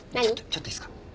ちょっといいですか？